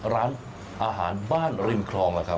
ร้านอาหารบ้านริมคลองล่ะครับ